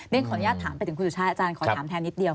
ขออนุญาตถามไปถึงคุณสุชาติอาจารย์ขอถามแทนนิดเดียว